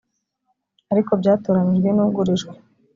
ariko byatoranijwe n’ugurijwe